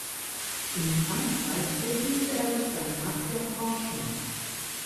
In Frankreich widmete er sich danach der Forschung.